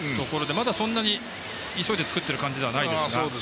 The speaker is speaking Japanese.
まだ、そんなに急いで作っている感じではないですが。